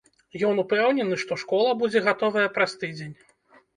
Ён упэўнены, што школа будзе гатовая праз тыдзень.